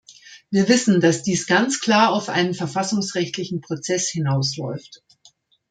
Wir wissen, dass dies ganz klar auf einen verfassungsrechtlichen Prozess hinausläuft.